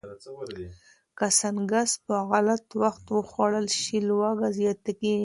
که سنکس په غلط وخت وخوړل شي، لوږه زیاته کېږي.